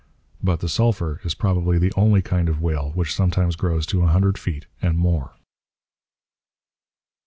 But the sulphur is probably the only kind of whale which sometimes grows to a hundred feet and more.